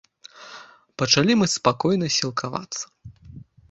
Пачалі мы спакойна сілкавацца.